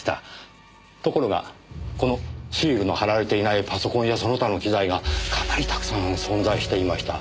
ところがこのシールの貼られていないパソコンやその他の機材がかなりたくさん存在していました。